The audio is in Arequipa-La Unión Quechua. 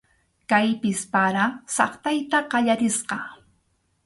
Kaypis para saqtayta qallarisqa.